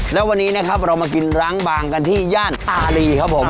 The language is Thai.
แล้ววันนี้นะครับเรามากินร้างบางกันที่ย่านอารีครับผม